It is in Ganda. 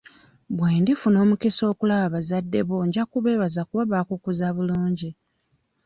Bwe ndifuna omukisa okulaba bazadde bo nja kubeebaza kuba baakukuza bulungi.